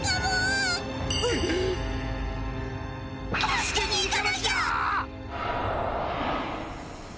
助けに行かなきゃ！